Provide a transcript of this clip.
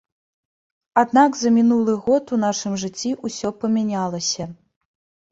Аднак за мінулы год у нашым жыцці ўсё памянялася.